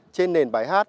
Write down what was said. trên nền bài hát